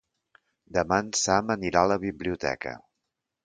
Demà en Sam anirà a la biblioteca.